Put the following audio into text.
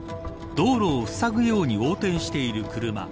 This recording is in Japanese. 道路をふさぐように横転している車。